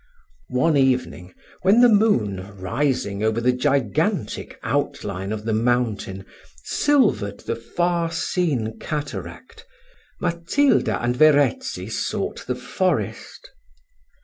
One evening when the moon, rising over the gigantic outline of the mountain, silvered the far seen cataract, Matilda and Verezzi sought the forest.